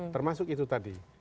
termasuk itu tadi